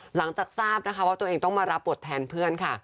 หลังจากทราบนะคะว่าตัวเองต้องมารับบทแทนเพื่อนค่ะ